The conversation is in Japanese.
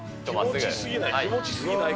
気持ちよすぎない？